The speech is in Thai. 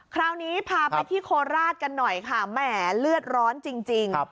คราวนี้พาไปที่โคราชกันหน่อยค่ะแหมเลือดร้อนจริง